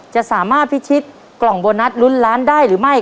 จะสามารถพิชิตกล่องโบนัสลุ้นล้านได้หรือไม่